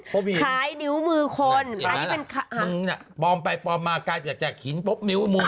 พบหินอย่างนั้นล่ะมึงน่ะปลอมไปปลอมมาจากหินพบนิ้วมือคน